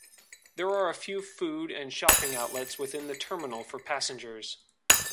There are a few food and shopping outlets within the terminal for passengers.